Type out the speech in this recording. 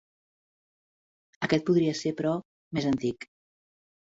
Aquest podria ser, però, més antic.